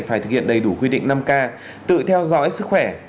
phải thực hiện đầy đủ quy định năm k tự theo dõi sức khỏe